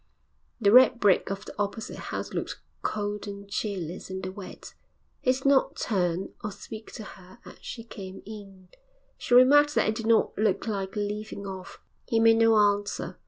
The red brick of the opposite house looked cold and cheerless in the wet.... He did not turn or speak to her as she came in. She remarked that it did not look like leaving off. He made no answer.